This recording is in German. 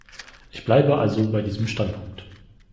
Ich bleibe also bei diesem Standpunkt.